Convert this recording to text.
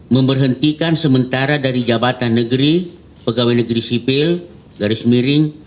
memberhentikan sementara dari jabatan negeri pegawai negeri sipil garis miring